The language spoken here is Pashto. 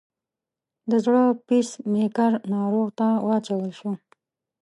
د زړه پیس میکر ناروغ ته واچول شو.